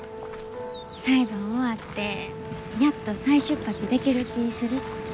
裁判終わってやっと再出発できる気ぃするって。